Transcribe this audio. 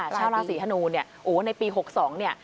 ชาวราศีธนูเนี่ยโอ้ในปี๖๒เนี่ย